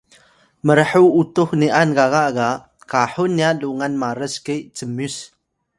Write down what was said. mrhuw utux ni’an gaga ga kahun nya lungan maras ke cmyus